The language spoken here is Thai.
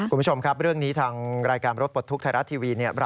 คุณผู้ชมครับเรื่องนี้ทางรายการรถปลดทุกข์ไทยรัฐทีวีเนี่ย